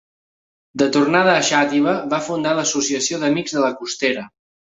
De tornada a Xàtiva, va fundar l'Associació d'Amics de la Costera.